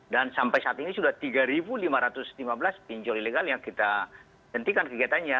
sampai saat ini sudah tiga lima ratus lima belas pinjol ilegal yang kita hentikan kegiatannya